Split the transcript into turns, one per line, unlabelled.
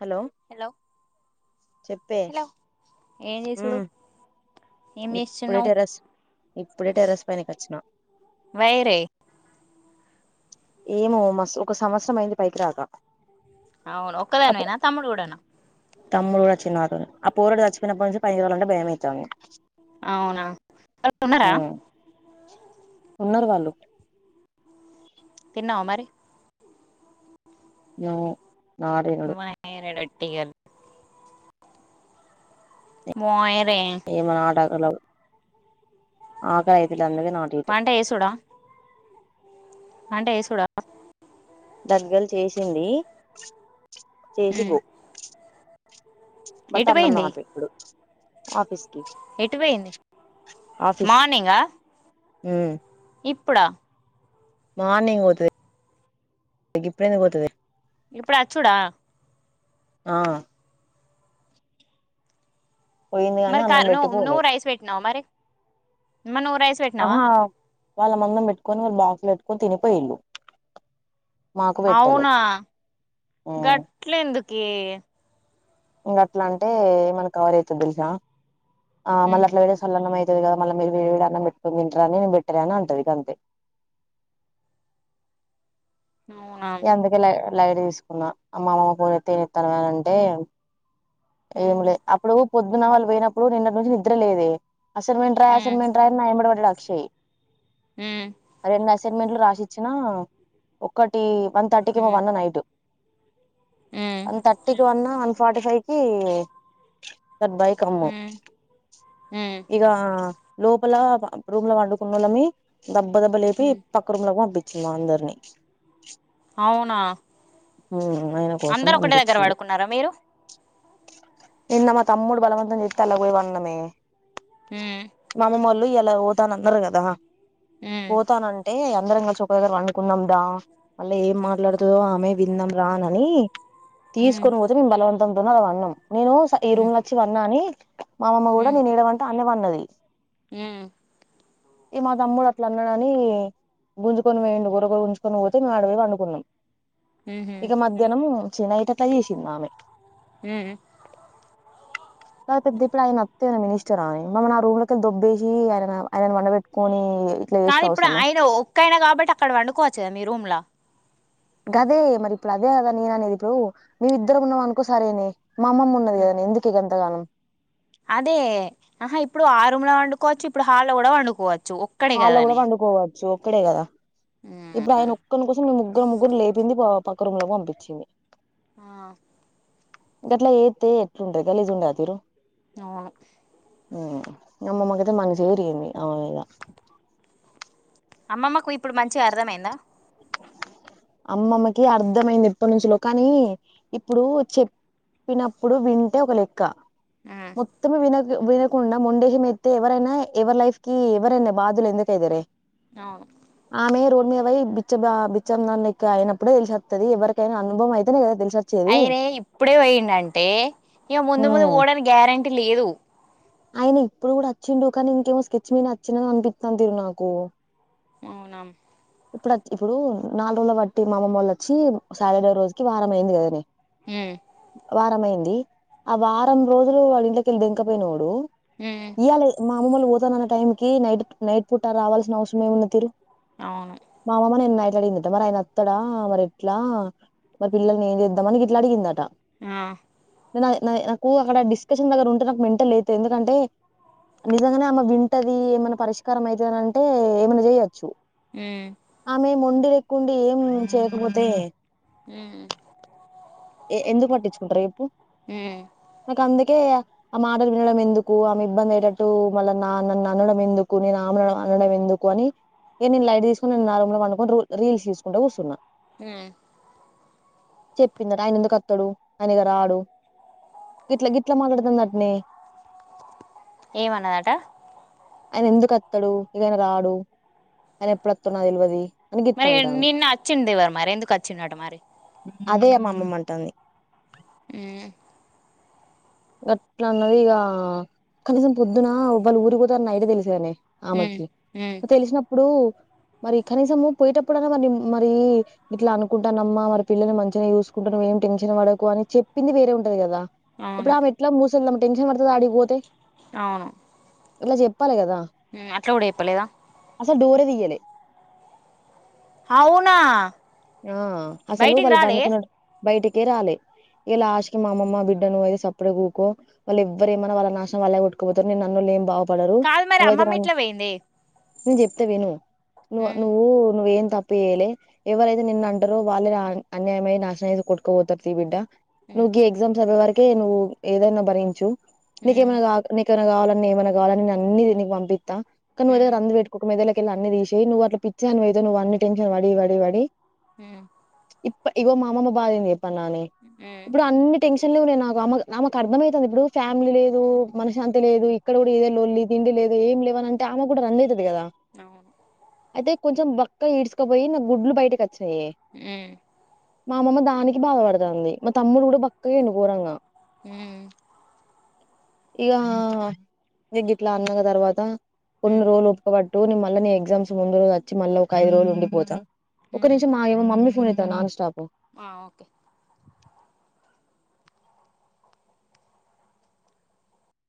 Hello చెప్పే
hello ఏం
ఉ
చేసుడు ఏం
ఇప్పుడే
చేస్తున్నావు
టెరస్ ఇప్పుడే టెరస్ పైనకి వచ్చిన
వైరే
ఏమో మస్త్ ఒక సంవత్సరం అయింది పైకి రాక
అవును
అప్పు
ఒక్కదానివేన తమ్ముడు కూడానా
తమ్ముడు కూడా అచిండు నాతోనే ఆ పోరోడు సచిపోయినప్పుడు నుంచి పైకి పోవాలంటేనే భయమైతాంది
అవునా వాళ్ళు ఉన్నారా
హు ఉన్నరు వాళ్ళు
తిన్నావ మరి
నో నాట్ తినడు
నేరడటిగాల్ [unintelligible] మొయిరే
ఏమి నాటకలు ఆకయితులు అందుకే నాట
కాంట ఏసుూడా కాంట ఏసుూడా
దగ్గలు చేసింది చేసి
ఉమ్
గో బట్
ఎటు
అన్నం
పోయింది
నాట్ ఇప్పుడు ఆఫీస్ కి
ఎటు పోయింది మార్నింగా
ఉ
ఇప్పుడ
మార్నింగ్ పోతది గిప్పుడెందుకు పోతది
ఇప్పుడు అచ్చుడా
ఆ పోయింది గానీ
మరి క
అన్నం
నువ్వు
పెట్టిపోలే
నువ్వు రైస్ పెట్టినావా మరి మరి నువ్వు రైస్ పెట్టినావా
అహా వాళ్ళ మందం పెట్టుకొని వాళ్ళ బాక్స్ లో పెట్టుకొని తినిపోయిళ్ళు మాకు పెట్టలే
అవునా గట్ల ఎందుకే
ఇంకా అట్లా అంటే మనకి కవర్ అవుతుంది తెలుసా ఆ మళ్ళీ
ఉమ్
అట్లా పెడతే సల్లన్నము అయి కదా మళ్ మీరు వేడట్కు తంటారనిను పెట్టేలే అంటది ఇకంతే
అవునా
ఎందుకే లైట్ తీసుకున్నా అమ్మా అమమ్మ కూర తనితారు అని అంటే
ఉమ్
ఏమి లే అప్పుడు పొద్దున్న వాళ్ళు పోయినప్పుడు నిన్నటి నుంచి నిద్ర లేదే అసైన్మెంట్ రాయి
ఉమ్
అసైన్మెంట్ రాయి అని నా ఎంబడు పట్టడు అక్షయ్
ఆ
రెండు అసైన్మెంట్లు రాసిచ్చిన ఒకటి వన్ థర్టీకి ఏమో
ఉమ్
వన్న నైట్
ఉమ్
వన్ థర్టీకి వన్నా వన్ ఫార్టీ ఫైవ్ కి బైక్ కమ్ము
ఉమ్ ఉమ్
ఇక లోపల రూమ్ లో వండుకున్న వోల్లమీ దబ్బ దబ్బ లేపి
ఉమ్
పక్కరుములకు పప్పించింది మా అందరిని
అవునా
ఉమ్ అయిన
అందరు ఒకటే దగ్గర పడుకున్నారా మీరు
నిన్న తమ్ముడు బలవంతం చేస్తే అన్ల పోయి పన్నమే
ఉం
మా అమ్మమ్మ వాళ్ళు ఎలా పోతాన అన్నారు కదా
ఉమ్
పోతానని అంటే అందరం కలిసి ఒక దగ్గర పడుకుందాం దా మళ్ళ ఏం మాట్లాడుతుందో ఆమె విందాం రా అని
ఉమ్
తీసుకొని పోతే మేము బలవంతంతోన అలా వన్నాం నేను ఈ రూమ్ల వచ్చి వన్నా అని మా అమ్మమ్మ కూడా నేను ఏడపంటే అన్నే పన్నది
ఆ
ఈ మా తమ్ముడు అట్లా అన్నాడని గుంజుకొని పోయిండు గుర్ర గుర్ర గుంజుకొని పోతే మే ఆడ పోయి వండుకున్నాం
ఉహు
ఇక మధ్యాహ్నం చి నైటు అట్లా చేసిందామె
హ
కా పెద్ద ఇప్పుడు ఆయన అత్తేన మినిస్టర్ అని మమ్మని ఆ రూమ్ లో క దుబ్బేసి ఆయన ఆయన వండబెట్టుకొని ఇట్లా
కానీ
చేసుడు
ఇప్పుడు
అవసరమా
ఆయన ఒక్కైనా కాబట్టి అక్కడ వండుకోవచ్చు కదా మీ రూమ్లా
గదే మరి ఇప్పుడు అదే కదా నేన అనేది ఇప్పుడు నువ్ ఇద్దరు ఉన్నావు అనుకో సరేనే మా అమమ్మ ఉన్నది కదనే ఎందుకకి గంతగానం
అదే ఆహా ఇప్పుడు ఆ రూమ్ లో వండుకోవచ్చు ఇప్పుడు హాల్లో కూడా వండుకోవచ్చు ఒక్కడే
హాల్లో కూడా పండుకోవచ్చు ఒక్కడే కదా
ఆ
ఇప్పుడు ఆయన ఒక్కని కోసం మీ ముగ్గురు ముగ్గురు లేపింది పక్క రూంలోకి పంపించింది
ఆ
గట్ల చేస్తే ఎట్లు ఉంటది గలీజ్ ఉండద తీరు
అవును
మా అమ్మమ్మకైతే మనసే విరిగింది ఆమె మీద
అమ్మమ్మకు ఇప్పుడు మంచిగా అర్థమైందా
అమ్మమ్మకి అర్థమైంది ఎప్పటినుంచలో కానీ ఇప్పుడు చె పిన్నప్పుడు వింటే ఒక లెక్క
ఉమ్
మో త్తమే విన వినకుండా మొండి వేషం ఎత్తే ఎవరైనా ఎవర్ లైఫ్ క ఎవరైనా బాధ్యులు ఎందుకైతేరే
అవును
ఆమె రోడ్మయా వై బిచ్చ బిచ్చము దాని లెక్క అయినప్పుడే తెలుసిత్తది ఎవరికైనా అనుభవం అయితేనే తెలుస
అయరే ఇప్పుడే ఓయిండంటే ఇగా ముందు ముందు
హ్మ్
ఓడానికి గ్యారెంటీ లేదు.
ఆయన ఇప్పుడు కూడా వచ్చిండు కానీ ఇంకేమో స్కెచ్ మీద వచ్చిందని అన్పింతదిరి నాకు
మవునాం
ఇప్పుడత్ ఇప్పుడు నాలుగు రోజుల బట్టి మా అమ్మమోళ్ళు వచ్చి సాటర్డే రోజుకి వారం అయింది గదనే.
ఉహ్
వారం అయింది. ఆ వారం రోజులు వాళ్ళ ఇంట్లకెళ్ళి దెంకపోయినోడు
హుహ్
ఇయ్యాలి మా అమ్మల్ని పోతాన్న టైం కి నైట్ నైట్ పూట రావాల్సిన అవసరం ఏము ఉంది తీరు
అవును
మా అమ్మ నిన్న నైట్ అడిగిందట మరి ఆయన అత్తడా మరి ఎట్లా మరి పిల్లల్ని ఏ జేద్దాం అని గిట్లా అడిగిందట
ఆ
నాద్ నాకు అక్కడ డిస్కషన్ దగ్గర ఉంటే నాకు మెంట లేదు ఎందుకంటే నిజంగానే ఆమ వింటది. ఏమన్నా పరిష్కారం అయితది అంటే ఏమైనా జేయొచ్చు.
ఉహ్
ఆమె మొండి రెక్కుండి ఏం చేయకపోతే
ఉహ్
ఏ ఎందుకు వట్టించుకుంటారు రేపు నాకు అందుకేయా ఆ మాటలు వినడం ఎందుకు, ఆమె ఇబ్బంది అయ్యటట్టు మళ్ళ నా నన్ను అనడం ఎందుకు, నేను ఆమె అనడం ఎందుకు. కొని ఇగా నీన్ లైట్ తీసుకొని నీన్ నార్మల్గా వండుకని రూ రీల్స్ ఇచ్చుకుంటా కూసున్నా.
ఉహ్
పిందాట్ ఆయన ఎందుకు అత్తాడు ఆయన ఇగా రాడు గిట్లా గిట్లా మగడుతుంది అట్నే.
ఏవన్న ఆటా.
ఆయన ఎందుకు ఓత్తడు ఇగా రాడు ఆయన ఎప్పుడుతున్నా తెలివది.
మరి ఇగా నిన్నా వచ్చింద్ ఎవరు మరి ఎందుకు వచ్చిండట మరి.
అదే య్ అమ్మమ్మంటది.
ఉహ్
గట్లా అన్నది ఇగా కనీసం పొద్దున్నా ఉబల్ ఊరి ఓతనార్ నైటే దేలుసానే
ఉమ్
ఆమెకి
ఉమ్
తెలిసినప్పుడు మరి కనీసము పోయేటప్పుడునా మరి మరి ఇట్లా అనుకుంటానమ్మా మరి పిల్లల్ని మంచిగా చూసుకుంటా నువ్ ఏం టెన్షన్ వడకు అని చెపింది వేరే ఉంటది గదా ఇప్పుడు
అవును
ఆమె ఎట్లా మూసేలదాం టెన్షన్ పడుతది అడిగిపోతే.
అవును
ఇట్లా జేప్పాలే గదా
ఉహ్ అట్లా కూడా ఎప్పలేదా
అసల్ డోరే దియాలే.
హావునా
ఆ అసలు వాళ్ళు బడుకునాడ్ బయటికే రాలే. ఇగా లాస్టకి మా అమమ్మ బిడ్డ నువైతే సప్పడే గుకో. వాళ్ళు ఎవ్వరు ఏమన్నా వాళ్ళ నాశనం వాళ్ళే కొట్టుపోతారు నీన్ అనోళ్ళు ఏం బాగుపడరు
కాదు మరి
నువ్వైతే
అమ్మమ్మ
రాన్
ఎట్లా పోయింది
నీన్ జేప్తా విను నువ్వా
ఉమ్
నువ్వు నువ్వేం తప్పు జేయలే ఎవరై తి నీన్ అంటరో వాళ్ళే నాన్ అన్యాయమై నాశనవాద్ కోట్కా ఓతర్ తీయ్ బిడ్డా
ఉమ్
నువ్వు గేగ్ ఎగ్జామ్స్ అవే వరకే నువ్వు ఏదైనా భరించు నీకేమైనా
ఉమ్
గాద్ నీకేవన్నా గావాలన్న ఏమన్నా గావాలన్ అన్ని పంపిస్తా కానీ నువ్వు అదే రంద్ వెట్ ఒక మెందడ్లకేళి అన్ని తీచ్చేయ్ నువ్వు అట్లా పిచోనివైతావ్ నువ్ అన్ని టెన్షన్ వడి వడి
ఉహ్
ఇప్ప ఇగో మామమ్మ బాధంది చెప్ప నాని
ఉమ్
ఇప్పుడు అన్ని టెన్షన్లోన్నా నాకు అమ్మకు ఆమెకు అర్థమవుతలేదు ఇప్పుడు ఫ్యామిలీ లేదు మనశ్శాంతి లేదు ఇక్కడ కూడా ఇదే లోల్లి తిండి లేద ఏం లేవ అంటే ఆమె కూడా రన్ అవుతుది కదా
అవును
అయితే కొంచెం బక్క ఈడ్చకపోయి నా గుడ్లు బయటకి వచ్చినాయి
ఉం
మా అమ్మమ్మ దానికి బాధపడతాంది మా తమ్ముడు కూడా బక్కగా వున్నాడు ఘోరంగా
ఉమ్మ్
ఇక నే గిట్లా అన్న తర్వాత కొన్ని
ఉమ్
రోజులు ఓప్పిక బట్టు నువ్ మళ్ళ నీ ఎగ్జామ్స్ ముందు రోజు వచ్చి మళ్ళా ఒక ఐదు రోజులు ఉండిపోతా ఒక
ఉమ్
నిమిషం మా యమ్ మమ్మీ ఫోన్ చేత్తంది నాన్ స్టాపు
ఆ ఓకే